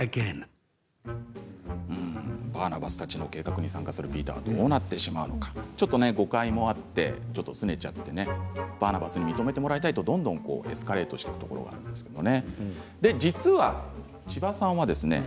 バーナバスたちの計画に参加したピーターたちはどうなっちゃうんでしょうかちょっと誤解もあってすねちゃってバーナバスに認めてもらいたいとどんどんエスカレートしていくところなんですよね。